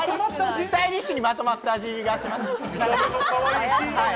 スタイリッシュにまとまった味。